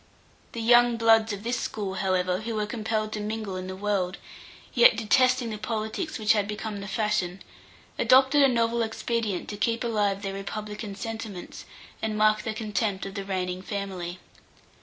The young bloods of this school, however, who were compelled to mingle in the world, yet detesting the politics which had become the fashion, adopted a novel expedient to keep alive their republican sentiments, and mark their contempt of the reigning family.